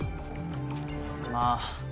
まあ。